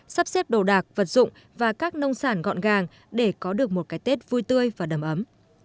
sắp xếp đồ đạc vật dụng và các nông sản gọn gàng để có được một cái tết vui tươi và đầm ấm